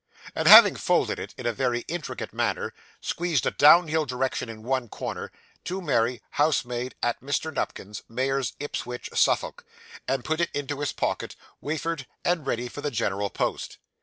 And having folded it, in a very intricate manner, squeezed a downhill direction in one corner: 'To Mary, Housemaid, at Mr. Nupkins's, Mayor's, Ipswich, Suffolk'; and put it into his pocket, wafered, and ready for the general post.